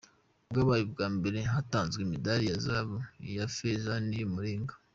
Bwabaye ubwa mbere hatanzwe imidari ya zahabu, iya feza n’iy’’umuringa.